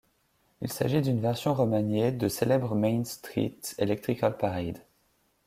Il s'agit d'une version remaniée de célèbre Main Street Electrical Parade.